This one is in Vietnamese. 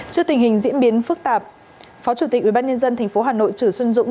trước tình hình diễn biến phức tạp phó chủ tịch ubnd tp hà nội trừ xuân dũng